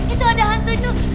itu ada hantu itu